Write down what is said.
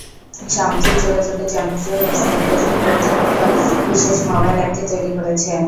সামাজিক যোগাযোগের জনপ্রিয় ওয়েবসাইট ফেসবুক কর্তৃপক্ষ বিশেষ মোবাইল অ্যাপটি তৈরি করেছে।